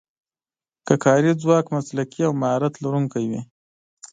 که کاري ځواک مسلکي او مهارت لرونکی وي.